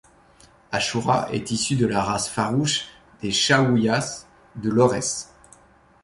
Achoura est issue de la race farouche des Chaouïyas de l’Aurès.